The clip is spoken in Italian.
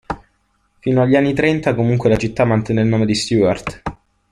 Fino agli anni trenta comunque la città mantenne il nome di Stuart.